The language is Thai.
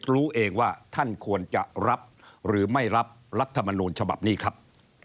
รู้เองว่าท่านควรจะรับหรือไม่รับรัฐมนูลฉบับนี้ครับ